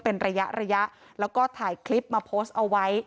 เป็นระยะระยะแล้วก็ถ่ายคลิปมาโพสต์เอาไว้